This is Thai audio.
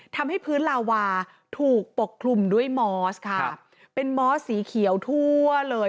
ทำให้พื้นลาวาถูกปกคลุมด้วยมอสค่ะเป็นมอสสีเขียวทั่วเลย